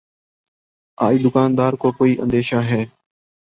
آج دکان دار کو کوئی اندیشہ ہے